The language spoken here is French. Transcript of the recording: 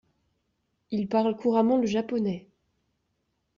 Il parle couramment le japonais.